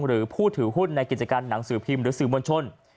หรือผู้ถือหุ้นในกิจการหนังสือพิมพ์หรือสื่อมวลชน